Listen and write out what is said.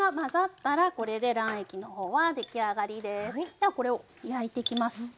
ではこれを焼いていきます。